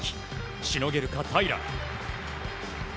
しのげるか、平良。